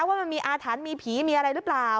ว่ามันมีอาถรรพ์มีผีมีอะไรหรือเปล่า